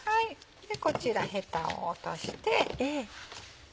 こちらヘタを落として。